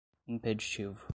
impeditivo